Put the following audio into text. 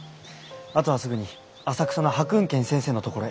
あとはすぐに浅草の白雲軒先生の所へ。